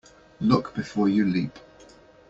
Look before you leap.